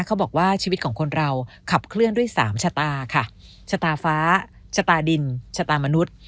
เขาบอกว่าชีวิตของคนเราขับเคลื่อนด้วยสามชะตาค่ะชะตาฟ้าชะตาดินชะตามนุษย์